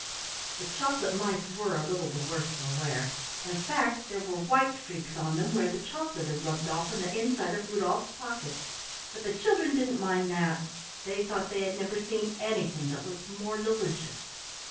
The chocolate mice were a little the worse for wear, in fact there were white streaks on them where the chocolate had rubbed off on the inside of Rudolf's pocket, but the children didn't mind that. They thought they had never seen anything that looked more delicious.